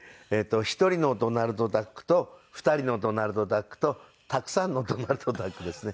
１人のドナルドダックと２人のドナルドダックとたくさんのドナルドダックですね。